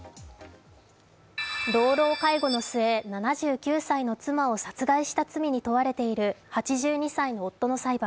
老老介護の末、７９歳の妻を殺害した罪に問われている８２歳の夫の裁判。